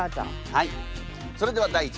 はい。